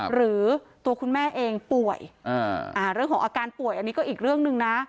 หรือตัวคุณแม่เองป่วยเรื่องของอาการป่วยอันนี้ก็อีกเรื่องหนึ่งนะ